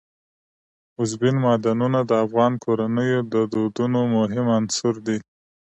اوبزین معدنونه د افغان کورنیو د دودونو مهم عنصر دی.